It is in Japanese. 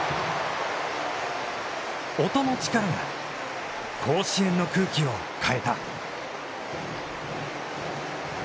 音の力が甲子園の空気を変えた。